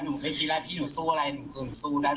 หนูคือหนูสู้ได้